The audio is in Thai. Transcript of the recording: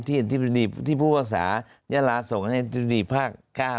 ที่ผู้ภาคศาสตร์ยาลาส่งให้ที่สินดีภาค๙